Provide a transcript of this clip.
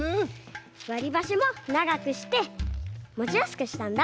わりばしもながくしてもちやすくしたんだ。